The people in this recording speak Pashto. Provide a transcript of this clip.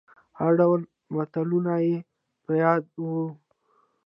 هر ډول متلونه يې په ياد وو.